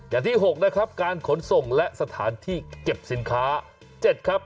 อย่างที่๖นะครับการขนส่งและสถานที่เก็บสินค้า๗ครับ